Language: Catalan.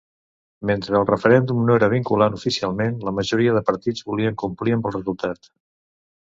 Mentre el referèndum no era vinculant oficialment, la majoria de partits volien complir amb el resultat.